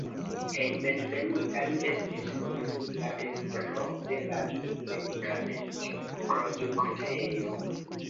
Hejmenveninta li estis nomumita estro de la medikamentproduktejo.